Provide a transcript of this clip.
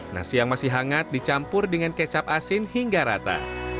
nasi yang masih hangat dicampur dengan kecap asin hingga rata